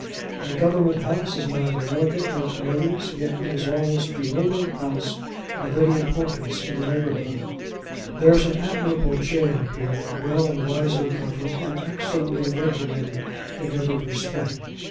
The Government House is neither elegant nor commodious, yet it is almost the only house of any importance in the neighbourhood. There is an admirable jail here, well and wisely governed, and excellently regulated, in every respect.